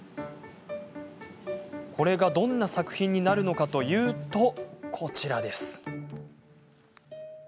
これが、どんな作品になるのかというと、こちら。